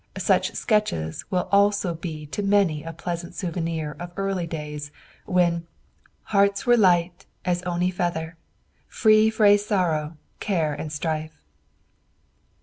Such sketches will also be to many a pleasant souvenir of early days, when "Hearts were light as ony feather, Free frae sorrow, care and strife."